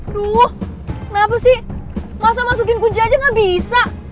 aduh kenapa sih masa masukin kunci aja gak bisa